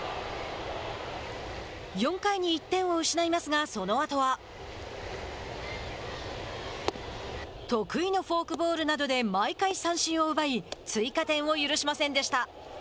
４回に１点を失いますがその後は得意のフォークボールなどで毎回三振を奪い追加点を許しませんでした。